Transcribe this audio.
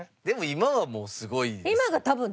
でも今はもうすごいですよ。